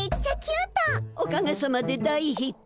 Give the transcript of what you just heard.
おかげさまで大ヒット。